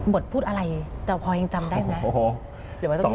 พูดอะไรแต่พอยังจำได้ไหม